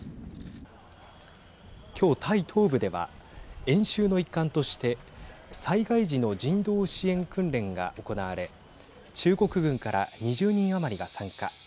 今日、タイ東部では演習の一環として災害時の人道支援訓練が行われ中国軍から２０人余りが参加。